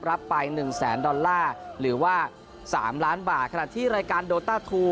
รับไป๑แสนดอลลาร์หรือว่าสามล้านบาทขณะที่รายการโดต้าทู